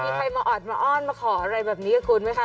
มีใครมาออดมาอ้อนมาขออะไรแบบนี้กับคุณไหมคะ